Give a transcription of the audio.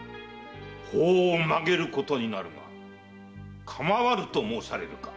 法を曲げることになるがかまわぬと申されるか？